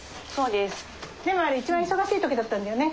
でもあれ一番忙しい時だったんだよね。